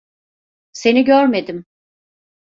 Seni görmedim.